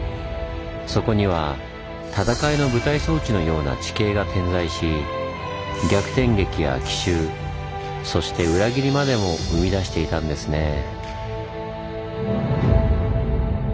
そこには戦いの舞台装置のような地形が点在し逆転劇や奇襲そして裏切りまでも生み出していたんですねぇ。